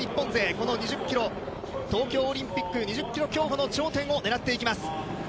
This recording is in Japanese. この２０ｋｍ、東京オリンピック２０ｋｍ競歩の頂点を狙っていきます。